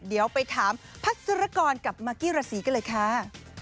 เดี๋ยวไปถามพัสรกรกับมากกี้ราศีกันเลยค่ะ